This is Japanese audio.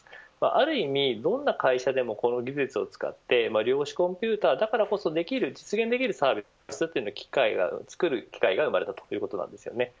ある意味、どんな会社でもこの技術を使って量子コンピューターだからこそできる実現できるサービスを作る機会が生まれたということなんですよね。